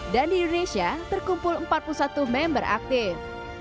dan di indonesia terkumpul empat puluh satu member aktif